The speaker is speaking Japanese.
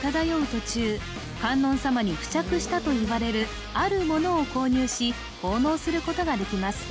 途中観音様に付着したといわれるあるものを購入し奉納することができます